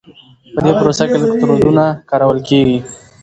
په دې پروسه کې الکترودونه کارول کېږي.